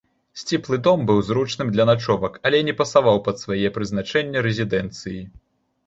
Сціплы дом быў зручным для начовак, але не пасаваў пад свае прызначэнне рэзідэнцыі.